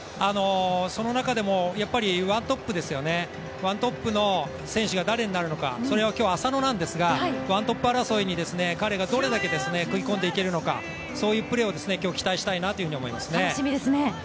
その中でもワントップの選手が誰になるのか、それは今日、浅野なんですが、ワントップ争いに彼がどれだけ食い込んでいけるのか、そういうプレーを期待したいと思います。